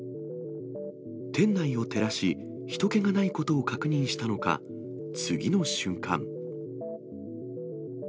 店内を照らし、ひと気がないことを確認したのか、次の瞬間。